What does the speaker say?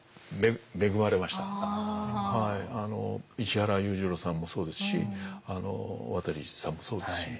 石原裕次郎さんもそうですし渡さんもそうですし。